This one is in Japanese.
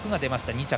２着。